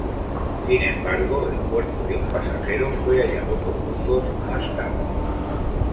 Sin embargo el cuerpo de un pasajero fue hallado por buzos más tarde.